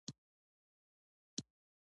د میوو جوس باید طبیعي وي.